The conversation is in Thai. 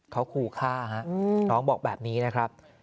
เขาขู่ฆ่าน้องบอกแบบนี้นะครับ